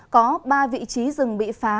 có ba vị trí rừng bị phá